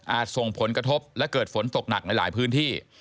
ส่งผลกระทบและเกิดฝนตกหนักในหลายพื้นที่